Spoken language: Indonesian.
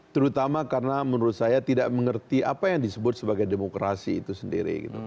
terutama karena menurut saya tidak mengerti apa yang disebut sebagai demokrasi itu sendiri